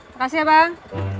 terima kasih ya bang